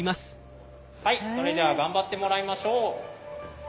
はいそれでは頑張ってもらいましょう。